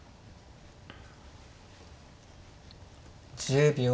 １０秒。